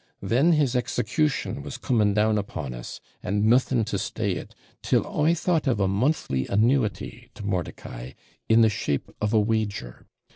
Then his execution was coming down upon us, and nothing to stay it till I thought of a monthly annuity to Mordicai, in the shape of a wager.